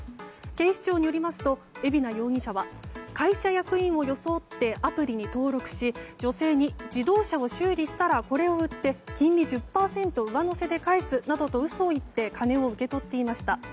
警視庁によりますと海老名容疑者は会社役員を装ってアプリに登録し女性に自動車を修理したらこれを売って金利１０％上乗せで返すなどと嘘を言って金を受け取っていました。